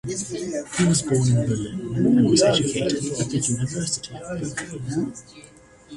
He was born in Berlin, and was educated at the University of Berlin.